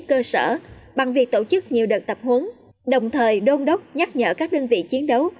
cơ sở bằng việc tổ chức nhiều đợt tập huấn đồng thời đôn đốc nhắc nhở các đơn vị chiến đấu